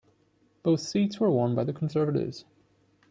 Both seats were won by the Conservatives.